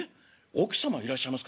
『奥様はいらっしゃいますか』